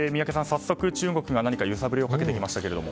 早速、中国が何か揺さぶりをかけてきましたけれども。